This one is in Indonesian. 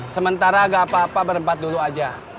sementara gak apa apa berempat dulu aja